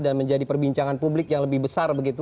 dan menjadi perbincangan publik yang lebih besar begitu